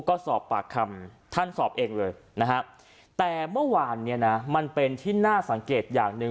ก็สอบปากคำท่านสอบเองเลยนะฮะแต่เมื่อวานเนี่ยนะมันเป็นที่น่าสังเกตอย่างหนึ่ง